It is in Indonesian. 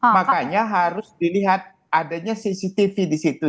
makanya harus dilihat adanya cctv di situ